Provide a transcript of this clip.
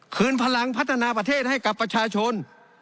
คืนพลังพัฒนาประเทศให้กับประชาชน